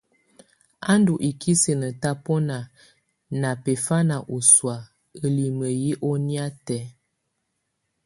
Á ndù ikisinǝ tabɔna na bɛfana ɔsɔ̀á ǝlimǝ yɛ ɔnɛ̀á tɛ̀á.